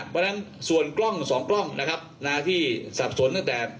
เพราะฉะนั้นส่วนกล้อง๒กล้องนะครับที่สับสนตั้งแต่